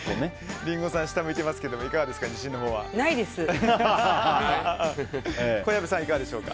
リンゴさん、下向いていますが自信のほうはいかがですか？